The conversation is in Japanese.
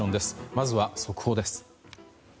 まずは速報です。